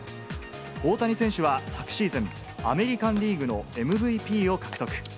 大谷選手は昨シーズン、アメリカン・リーグのＭＶＰを獲得。